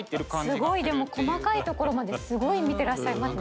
すごいでも細かいところまですごい見てらっしゃいますね。